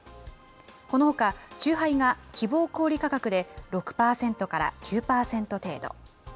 このほか、酎ハイが希望小売り価格で６％から９％程度。